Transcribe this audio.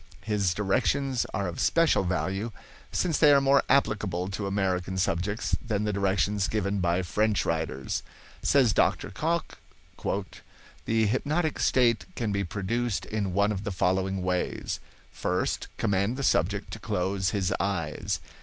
His directions of are special value, since they are more applicable to American subjects than the directions given by French writers. Says Dr. Cocke: "The hypnotic state can be produced in one of the following ways: First, command the subject to close his eyes.